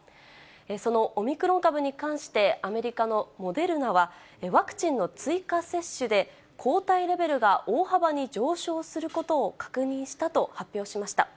そのオミクロン株に関して、アメリカのモデルナは、ワクチンの追加接種で抗体レベルが大幅に上昇することを確認したと発表しました。